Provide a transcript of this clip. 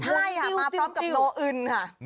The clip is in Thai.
ใช่มาพร้อมกับโนะคะ